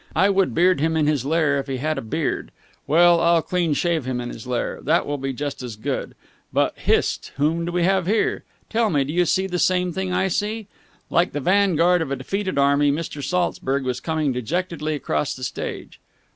I would beard him in his lair, if he had a beard. Well, I'll clean shave him in his lair. That will be just as good. But hist! whom have we here? Tell me, do you see the same thing I see?" Like the vanguard of a defeated army, Mr. Saltzburg was coming dejectedly across the stage.